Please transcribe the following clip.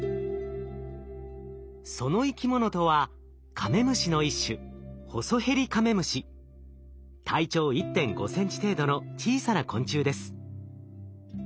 その生き物とはカメムシの一種体長１．５センチ程度の小さな昆虫です。